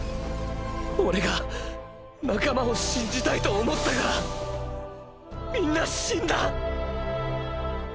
オレが仲間を信じたいと思ったからみんな死んだ。